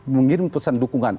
mengirim pesan dukungan